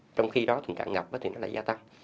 trong khi đó tình trạng ngập thì nó lại gia tăng